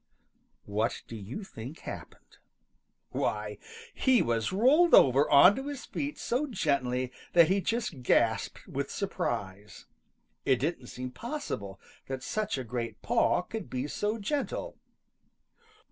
What do you think happened? Why, he was rolled over on to his feet so gently that he just gasped with surprise. It didn't seem possible that such a great paw could be so gentle.